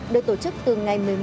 được tổ chức từ ngày một mươi một